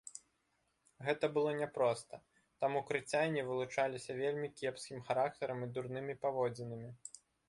Гэта было няпроста, таму крыцяне вылучаліся вельмі кепскім характарам і дурнымі паводзінамі.